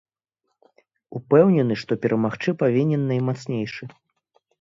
Упэўнены, што перамагчы павінен наймацнейшы.